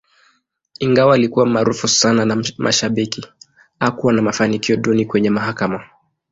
Ingawa alikuwa maarufu sana na mashabiki, hakuwa na mafanikio duni kwenye mahakama.